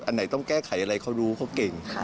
ไหนต้องแก้ไขอะไรเขารู้เขาเก่ง